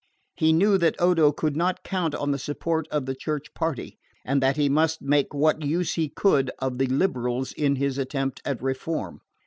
He knew that Odo could not count on the support of the Church party, and that he must make what use he could of the liberals in his attempts at reform.